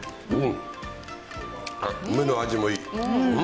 梅の味もいい。